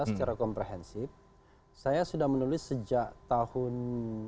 secara komprehensif saya sudah menulis sejak tahun dua ribu enam